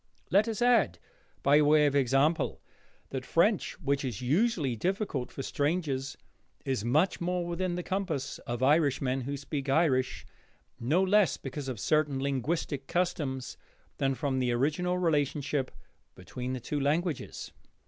Let us add, by way of example, that French, which is usually difficult for strangers, is much more within the compass of Irishmen who speak Irish, no less because of certain linguistic customs than from the original relationship between the two languages.